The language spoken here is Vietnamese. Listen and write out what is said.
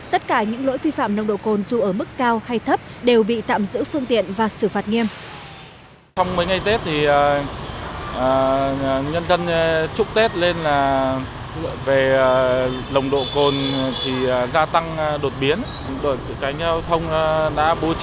tất cả những lỗi vi phạm nồng độ cồn dù ở mức cao hay thấp đều bị tạm giữ phương tiện và xử phạt nghiêm